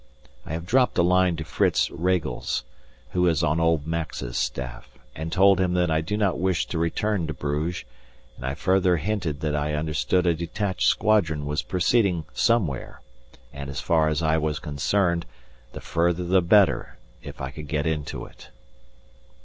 I have dropped a line to Fritz Regels, who is on old Max's staff, and told him that I do not wish to return to Bruges, and I further hinted that I understood a detached squadron was proceeding somewhere, and, as far as I was concerned, the further the better, if I could get into it.